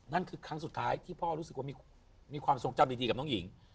นั่นคือครั้งสุดท้ายที่พ่อรู้สึกว่ามีความทรงจำดีกับน้องหญิง